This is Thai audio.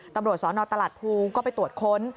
ตำรวจสนตลาดภูก็ไปตรวจค้น